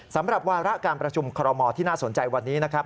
สำหรับวาระการประชุมคอรมอลที่น่าสนใจวันนี้นะครับ